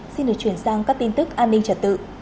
xin được chuyển sang các tin tức an ninh trật tự